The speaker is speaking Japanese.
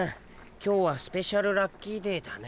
今日はスペシャルラッキーデーだね。